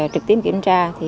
trực tiếp kiểm tra